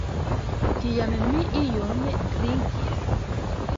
Tiam mi iom drinkis.